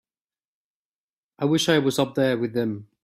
I wish I was up there with them.